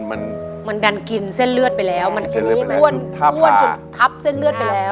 มันมันดันกินเส้นเลือดไปแล้วมันกินให้อ้วนอ้วนจนทับเส้นเลือดไปแล้ว